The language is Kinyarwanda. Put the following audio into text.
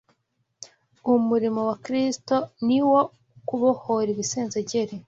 Umurimo wa Kristo ni uwo kubohora ibisenzegeri